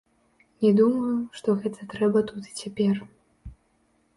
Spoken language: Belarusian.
Не думаю, што гэта трэба тут і цяпер.